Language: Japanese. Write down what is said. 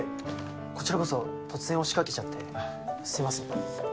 こちらこそ突然押しかけちゃってすいません。